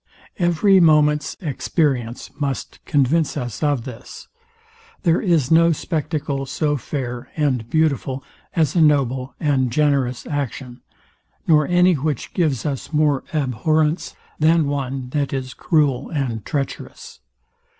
Every moments experience must convince us of this. There is no spectacle so fair and beautiful as a noble and generous action; nor any which gives us more abhorrence than one that is cruel and treacherous.